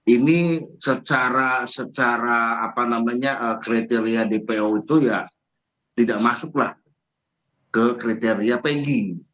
ini secara apa namanya kriteria dpo itu ya tidak masuklah ke kriteria pengging